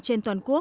trên toàn quốc